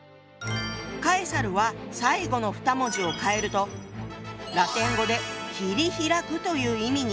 カエサルは最後の２文字を変えるとラテン語で「切り開く」という意味に。